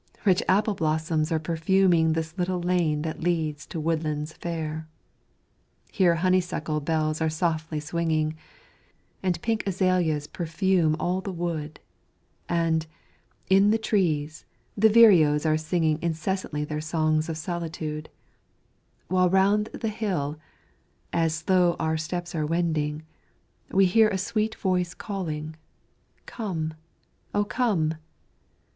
rich apple blossoms are perfuming This little lane that leads to woodlands fair, Here honeysuckle bells are softly swinging, And pink azaleas perfume all the wood, And, in the trees, the vireos are singing Incessantly their songs of solitude, While round the hill, as slow our steps are wending, We hear a sweet Voice calling, "Come, O come!"